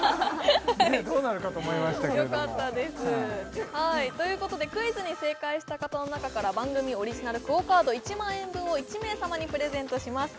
どうなるかと思いましたけれどもよかったですということでクイズに正解した方の中から番組オリジナルＱＵＯカード１万円分を１名様にプレゼントします